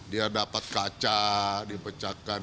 dia dapat kaca dipecahkan